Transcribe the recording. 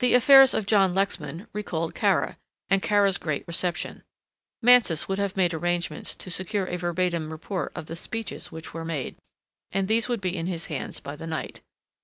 The affairs of John Lexman recalled Kara, and Kara's great reception. Mansus would have made arrangements to secure a verbatim report of the speeches which were made, and these would be in his hands by the night.